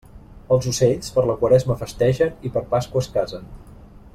Els ocells, per la Quaresma festegen i per Pasqua es casen.